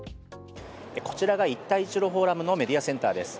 こちらが一帯一路フォーラムのメディアセンターです。